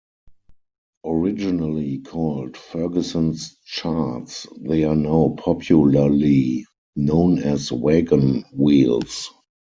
Originally called "Ferguson's charts", they are now popularly known as 'wagon-wheels'.